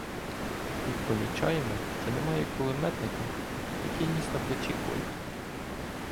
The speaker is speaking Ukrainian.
Тут помічаємо, що немає кулеметника, який ніс на плечі "Кольт".